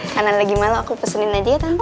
karena lagi malu aku pesenin aja ya tante